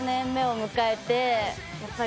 やっぱり。